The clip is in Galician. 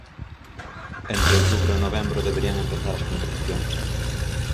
Entre outubro e novembro deberían empezar as competicións.